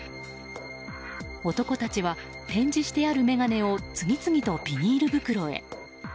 男たちは展示してある眼鏡を次々とビニール袋へ。